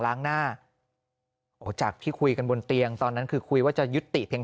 ล้างหน้าโอ้จากที่คุยกันบนเตียงตอนนั้นคือคุยว่าจะยุติเพียง